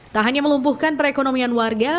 tak hanya melumpuhkan perekonomian warga